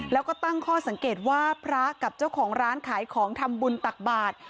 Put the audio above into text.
แล้วก็ตั้งข้อสังเกตว่าพระกับเจ้าของร้านขายของทำบุญตักบาท